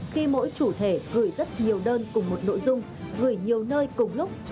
khi mỗi chủ thể gửi rất nhiều đơn cùng một nội dung gửi nhiều nơi cùng lúc